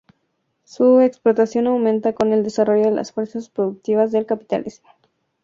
Su explotación aumenta con el desarrollo de las fuerzas productivas del capitalismo.